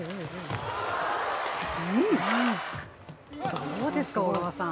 どうですか、小川さん？